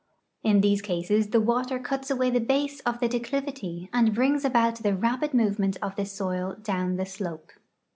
In these cases the water cuts away the base of the declivity and brings about the rapid move ment of the soil down the slope.